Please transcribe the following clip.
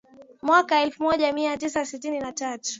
mwaka elfu moja mia tisa tisini na tatu